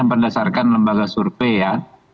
memperdasarkan lembaga survei ya